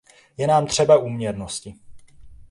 Je nám třeba úměrnosti.